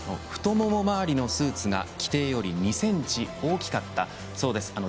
太腿周りのスーツが規定より２センチ大きかったそうです。